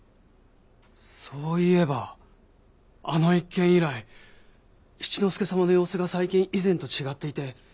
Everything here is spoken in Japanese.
そういえばあの一件以来七之助様の様子が最近以前と違っていて。